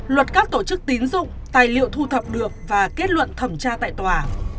luật các tổ chức tín dụng tài liệu thu thập được và kết luận thẩm tra tại tòa